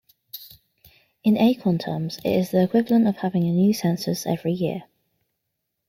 In Acorn terms, it is the equivalent of having a new census every year.